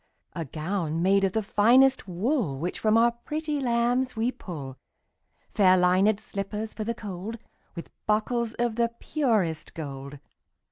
A gown made of the finest wool Which from our pretty lambs we pull; Fair linèd slippers for the cold, 15 With buckles of the purest gold.